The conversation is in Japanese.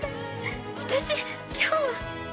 私今日は。